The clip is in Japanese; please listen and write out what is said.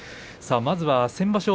まずは先場所